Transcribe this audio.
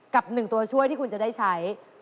กับหนึ่งตัวช่วยที่คุณจะได้ใช้